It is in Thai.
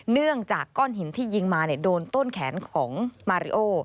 เนื่องจากก้อนหินที่ยิงมาโดนต้นแขนของมาริโอ